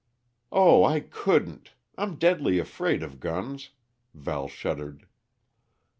"Oh, I couldn't. I'm deadly afraid of guns." Val shuddered.